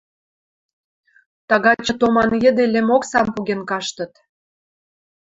Тагачы томан йӹде лӹмоксам поген каштыт.